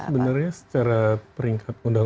sebenarnya secara peringkat asing